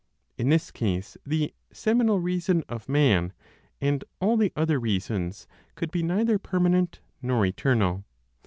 In this case, the (seminal) reason of man, and all the other reasons could be neither permanent nor eternal.